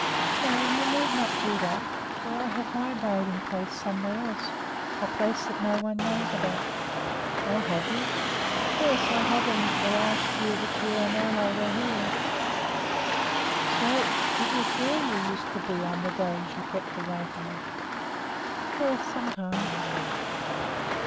"No, you need not do that, for I have my bathing place somewhere else, a place that no one knows about." "Oh, have you?" "Yes; I had it the last year that you and Ole were here, too." "So it was there you used to be on the days that you kept away from us?" "Yes, sometimes."